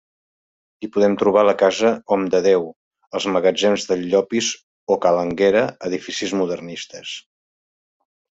Hi podem trobar la casa Homdedeu, els Magatzems del Llopis o ca l'Anguera, edificis modernistes.